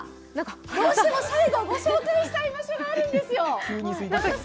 どうしても最後、ご紹介したい場所があるんですよ。